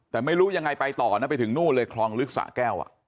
แต่ไม่รู้ยังไงไปต่อนะไปถึงนู่นเลยคลองลึกสะแก้ว